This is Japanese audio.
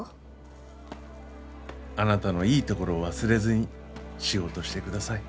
あなたのいいところを忘れずに仕事してください。